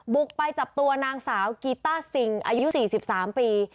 บุกไปจับตัวนางสาวกีต้าซิงอายุ๔๓ปี